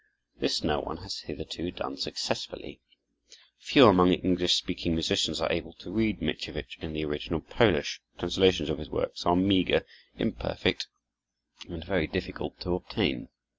This no one has hitherto done successfully. Few among English speaking musicians are able to read Mickiewicz in the original Polish; translations of his works are meager, imperfect, and very difficult to obtain.